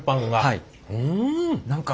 はい。